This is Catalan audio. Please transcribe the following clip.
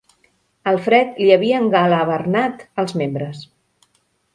El fred li havia engalavernat els membres.